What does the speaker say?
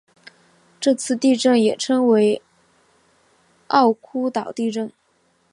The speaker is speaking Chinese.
这次地震也称为奥尻岛地震。